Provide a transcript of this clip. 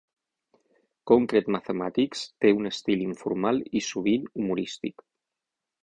"Concrete Mathematics" té un estil informal i, sovint, humorístic.